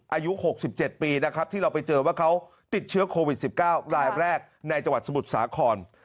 อายุ๖๗ปีนะครับที่เราไปเจอว่าเขาติดเชื้อโควิด๑๙รายแรกในจังหวัดสมุทรสาคร